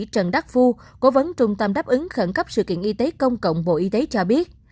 trần đắc phu cố vấn trung tâm đáp ứng khẩn cấp sự kiện y tế công cộng bộ y tế cho biết